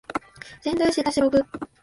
仙台市太白区